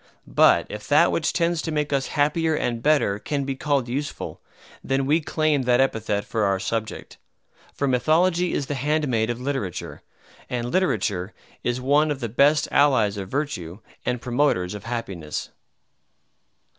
But if that which tends to make us happier and better can be called useful, then we claim that epithet for our subject. For Mythology is the handmaid of literature; and literature is one of the best allies of virtue and promoters of happiness.